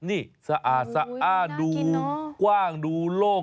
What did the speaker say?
นี่สะอาดดูกว้างดูโล่ง